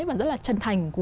và rất là trân thành